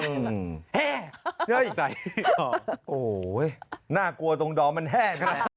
โอ้โฮเว้ยน่ากลัวตรงดอมมันแฮ่กันแหละ